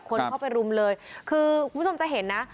คนเข้าไปรุมเลยคือคุณผู้ชมจะเห็นนะ